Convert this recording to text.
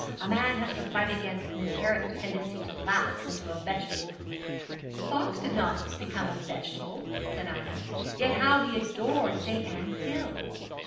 A man has to fight against an inherent tendency to lapse into a vegetable.' 'Fox did not become a vegetable,' said Ida; 'yet how he adored St. Ann's Hill!'